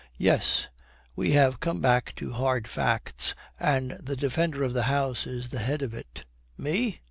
'Father!' 'Yes, we have come back to hard facts, and the defender of the house is the head of it.' 'Me?